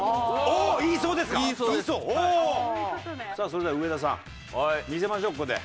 さあそれでは上田さん見せましょうここで。